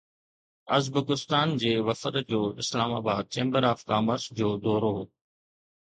Uzbekistan جي وفد جو Islamabad chamber of commerce جو دورو